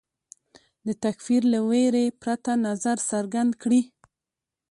د تکفیر له وېرې پرته نظر څرګند کړي